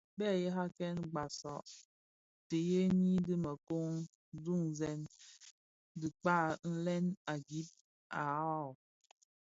Bēghèrakèn basag tigèni dhi mekon mboňzèn dhitaa mlem a gib lè ag.